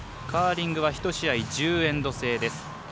カーリングは１試合１０エンド制。